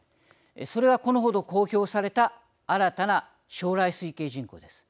それが、このほど公表された新たな将来推計人口です。